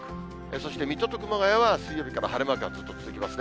そして水戸と熊谷は水曜日から晴れマークがずっと続きますね。